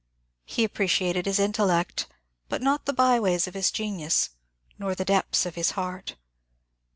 He appreciated his intellect, but not the by ways of his genius, nor the depths of his heart.